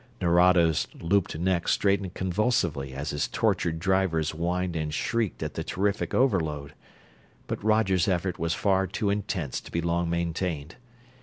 Nerado's looped neck straightened convulsively as his tortured drivers whined and shrieked at the terrific overload; but Roger's effort was far too intense to be long maintained.